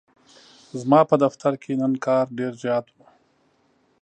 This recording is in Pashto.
ځماپه دفترکی نن کار ډیرزیات و.